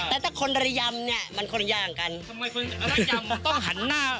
แต่ถ้าคนละยำเนี้ยมันคนยากันทำไมคนละยำต้องหันหน้า